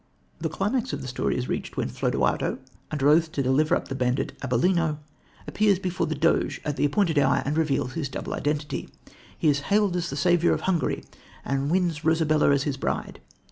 The climax of the story is reached when Flodoardo, under oath to deliver up the bandit Abellino, appears before the Doge at the appointed hour and reveals his double identity. He is hailed as the saviour of Hungary, and wins Rosabella as his bride.